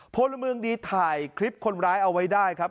พลเมืองดีถ่ายคลิปคนร้ายเอาไว้ได้ครับ